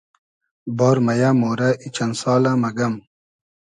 بار مئیۂ مۉرۂ , ای چئن سالۂ مئگئم